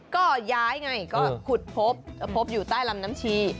ก็ย้ายไงก็ขุดพบอยู่ใต้ลำน้ำชี